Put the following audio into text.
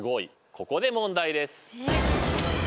ここで問題です。